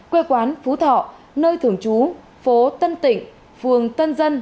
quê quán phú thọ nơi thường trú phố tân tịnh phường tân dân